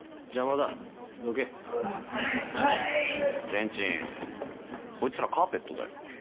ケンチンこいつらカーペットだよ。